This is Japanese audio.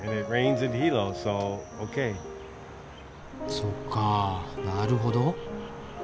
そっかなるほど。